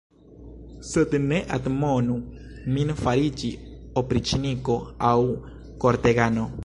Sed ne admonu min fariĝi opriĉniko aŭ kortegano.